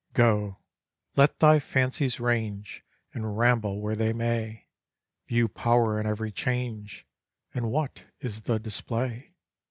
Go, let thy fancies range And ramble where they may; View power in every change, And what is the display?